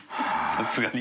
さすがに。